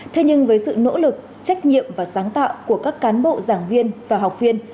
thế nhưng với sự nỗ lực trách nhiệm và sáng tạo của các cán bộ giảng viên và học viên